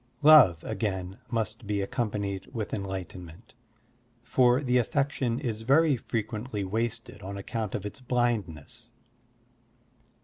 Love, again, must be accompanied with enlightenment, for the affection is very frequently wasted on account of its blindness.